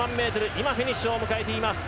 今、フィニッシュを迎えました。